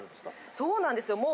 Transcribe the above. そうなんですよもう。